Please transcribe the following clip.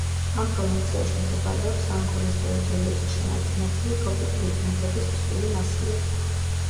ამ პროვინციაში მდებარეობს ანგოლის ტერიტორიაზე შენარჩუნებული ტროპიკული ჯუნგლების მსხვილი მასივები.